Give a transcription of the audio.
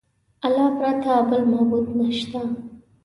د الله پرته بل معبود نشته.